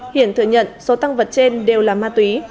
hiển thừa nhận số tăng vật trên đều là ma túy